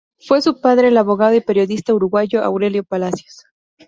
Fue su padre el abogado y periodista uruguayo Aurelio Palacios.